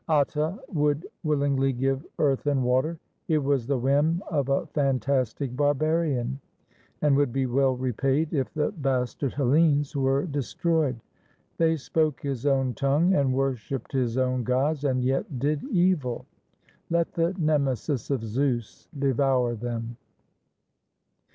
Atta would will ingly give earth and water. It was the whim of a fan tastic barbarian, and would be well repaid if the bastard Hellenes were destroyed. They spoke his own tongue, and worshiped his own gods, and yet did evil. Let the nemesis of Zeus devour them!